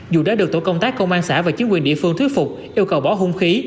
dù đã được tổ công tác công an xã và chính quyền địa phương thuyết phục yêu cầu bỏ hung khí